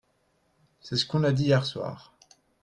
C’est ce qu’on a dit hier soir